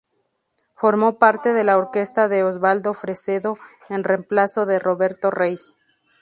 Formó parte de la Orquesta de Osvaldo Fresedo, en reemplazo de Roberto Ray.